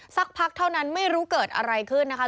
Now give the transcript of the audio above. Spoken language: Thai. สักพักเท่านั้นไม่รู้เกิดอะไรขึ้นนะคะ